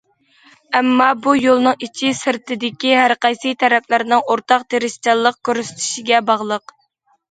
ئەمما بۇ يولنىڭ ئىچى سىرتىدىكى ھەر قايسى تەرەپلەرنىڭ ئورتاق تىرىشچانلىق كۆرسىتىشىگە باغلىق.